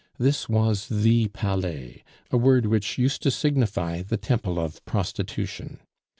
This was the Palais, a word which used to signify the temple of prostitution.